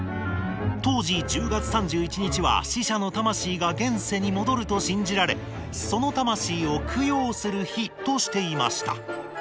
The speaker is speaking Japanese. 当時１０月３１日は死者の魂が現世に戻ると信じられその魂を供養する日としていました。